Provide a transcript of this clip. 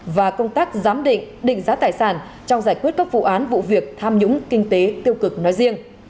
và công tác giám định định giá tài sản trong giải quyết các vụ án vụ việc tham nhũng kinh tế tiêu cực nói riêng